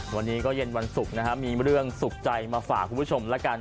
วันนี้ก็เย็นวันศุกร์นะครับมีเรื่องสุขใจมาฝากคุณผู้ชมแล้วกัน